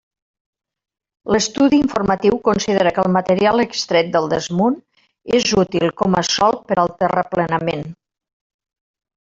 L'estudi informatiu considera que el material extret del desmunt és útil com a sòl per al terraplenament.